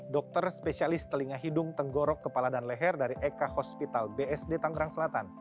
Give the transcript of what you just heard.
dokter spesialis telinga hidung tenggorok kepala dan leher dari eka hospital bsd tanggerang selatan